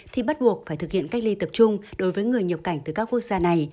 thì bắt buộc phải thực hiện cách ly tập trung đối với người nhập cảnh từ các quốc gia này